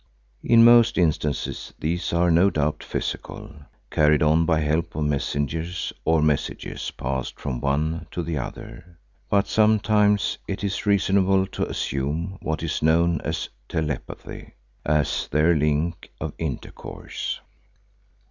In most instances these are no doubt physical, carried on by help of messengers, or messages passed from one to the other. But sometimes it is reasonable to assume what is known as telepathy, as their link of intercourse.